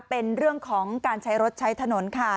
เป็นเรื่องของการใช้รถใช้ถนนค่ะ